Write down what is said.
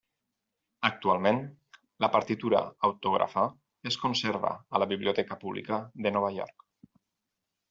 Actualment, la partitura autògrafa es conserva a la Biblioteca Pública de Nova York.